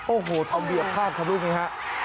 โอ้โหทะเบียดพลาดครับลูกนี้ฮะ